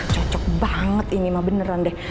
cocok banget ini mah beneran deh